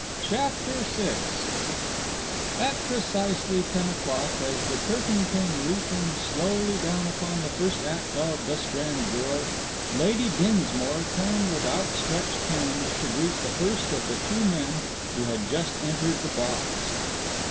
CHAPTER VI At precisely ten o'clock, as the curtain came reefing slowly down upon the first act of The Strand Girl, Lady Dinsmore turned with outstretched hand to greet the first of the two men who had just entered the box.